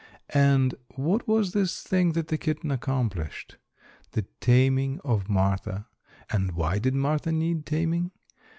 And what was this thing that the kitten accomplished? The taming of Martha. And why did Martha need taming?